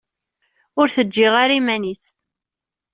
Ur t-ǧǧiɣ ara iman-is.